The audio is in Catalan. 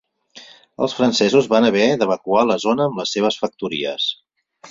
Els francesos van haver d'evacuar la zona amb les seves factories.